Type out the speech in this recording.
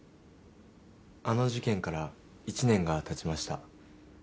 あの事件から１年がたちました